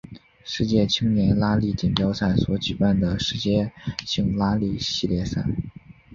世界青年拉力锦标赛所举办的世界性拉力系列赛。